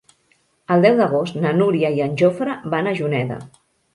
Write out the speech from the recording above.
El deu d'agost na Núria i en Jofre van a Juneda.